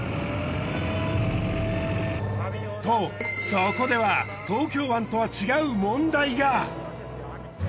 とそこでは東京湾とは違う問題が。